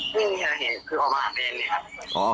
ไม่มีสาเหตุคือออกมาหาแฟนเลยครับ